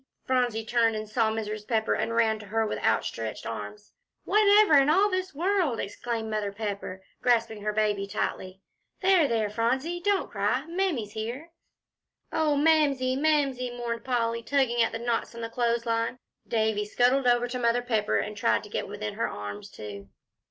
Phronsie turned and saw Mrs. Pepper, and ran to her with outstretched arms. "Whatever in all this world," exclaimed Mother Pepper, grasping her baby tightly. "There there Phronsie, don't cry, Mammy's here." "Oh, Mamsie Mamsie!" mourned Polly, tugging at the knots in the clothes line. Davie scuttled over to Mother Pepper and tried to get within her arms, too.